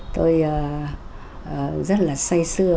tôi rất là say xưa